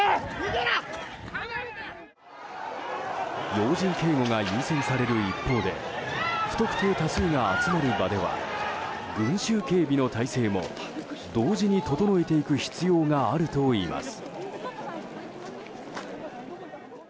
要人警護が優先される一方で不特定多数が集まる場では群衆警備の体制も同時に整えていく必要があるといいます。